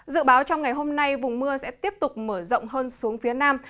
dự báo trong ngày hôm nay vùng mưa sẽ tiếp tục mở rộng hơn xuống phía nam